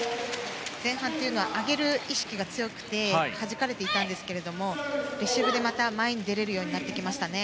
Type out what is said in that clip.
２ゲーム目の前半というのは上げる意識が強くてはじかれていたんですがレシーブでまた前に出れるようになってきましたね。